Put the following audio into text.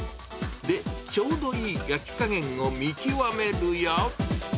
で、ちょうどいい焼き加減を見極めるや。